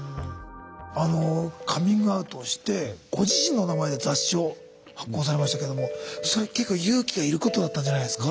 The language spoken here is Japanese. あのカミングアウトしてご自身の名前で雑誌を発行されましたけどもそれ結構勇気がいることだったんじゃないですか。